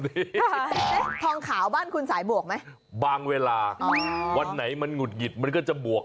นี่ทองขาวบ้านคุณสายบวกไหมบางเวลาวันไหนมันหุดหงิดมันก็จะบวก